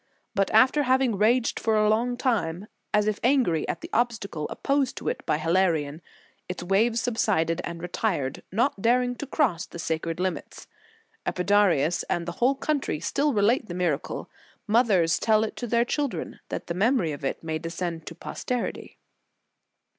But after having raged for a long time, as if angry at the obstacle opposed to it by Hilarion, its waves subsided and retired, not daring to cross the sacred limits. Epidaurus and the whole country still relate the miracle; mothers 16 1 82 Tkt Sign of the Cross tell it to their children, that the memory of it may descend to posterity."